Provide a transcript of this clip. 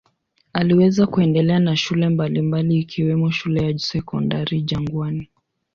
Aliweza kuendelea na shule mbalimbali ikiwemo shule ya Sekondari Jangwani.